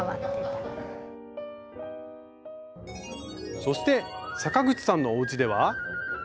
そして阪口さんのおうちでは。